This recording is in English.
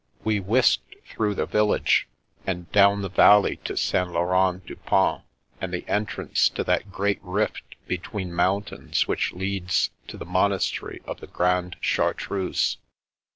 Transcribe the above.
We whisked through the village, and down the valley to St Laurens du Pont, and the entrance to that great rift between moun tains which leads to the monastery of the Grande Chartreuse.